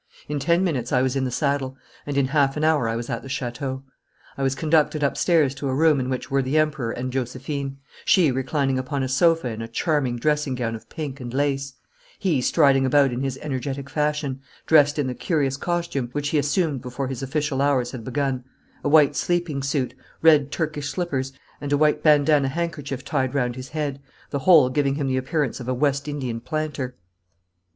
In ten minutes I was in the saddle, and in half an hour I was at the chateau. I was conducted upstairs to a room in which were the Emperor and Josephine, she reclining upon a sofa in a charming dressing gown of pink and lace, he striding about in his energetic fashion, dressed in the curious costume which he assumed before his official hours had begun a white sleeping suit, red Turkish slippers, and a white bandanna handkerchief tied round his head, the whole giving him the appearance of a West Indian planter.